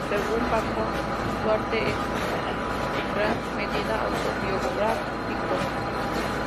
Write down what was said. Según Bacon, su arte es en gran medida autobiográfico.